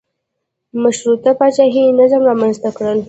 مشروطه پاچاهي نظام رامنځته کړل.